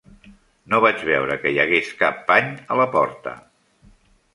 No vaig veure que hi hagués cap pany a la porta.